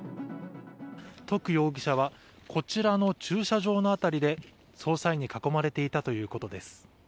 土岐容疑者はこちらの駐車場の辺りで捜査員に囲まれていたということです。